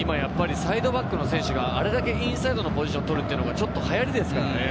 サイドバックの選手があれだけインサイドのポジションを取るのがはやりです。